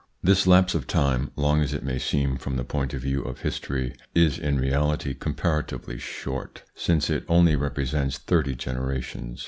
In 1 This lapse of time, long as it may seem from the point of view of history, is in reality comparatively short, since it only represents thirty generations.